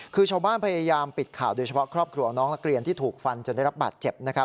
คือชาวบ้านพยายามปิดข่าวโดยเฉพาะครอบครัวน้องนักเรียนที่ถูกฟันจนได้รับบาดเจ็บ